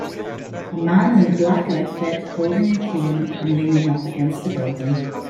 A man in a black outfit holding a cane and leaning up against a building